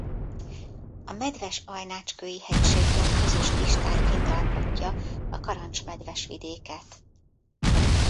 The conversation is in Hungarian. A Medves–Ajnácskői-hegységgel közös kistájként alkotja a Karancs–Medves-vidéket.